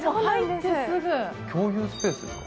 共有スペースですか？